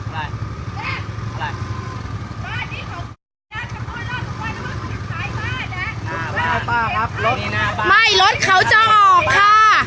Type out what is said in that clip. เนี่ยไม่รถเขาจะออกค่ะ